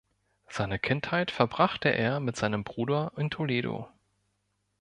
Seine Kindheit verbrachte er mit seinem Bruder in Toledo.